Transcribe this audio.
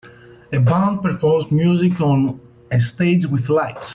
A band performs music on a stage with lights.